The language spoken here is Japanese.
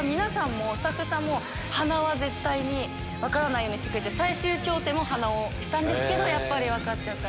スタッフさんも鼻は絶対に分からないようにしてくれて最終調整も鼻をしたんですけどやっぱり分かっちゃった。